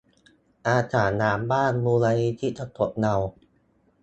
อาสาล้างบ้าน มูลนิธิกระจกเงา